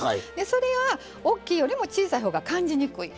それはおっきいよりも小さいほうが感じにくい。